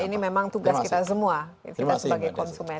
ini memang tugas kita semua kita sebagai konsumen